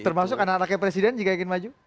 termasuk anak anaknya presiden jika ingin maju